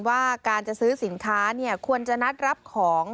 ว่าการจะซื้อสินค้าควรจะนัดรับของ